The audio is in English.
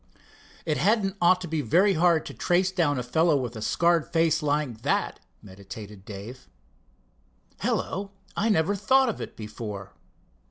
"It hadn't ought to be very hard to trace down a fellow with a scarred face like that," meditated Dave. "Hello! I never thought of it before."